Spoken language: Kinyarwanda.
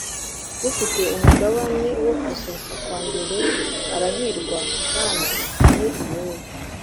Ufite umugabane wo kuzuka kwa mbere arahirwa kandi ni uwera.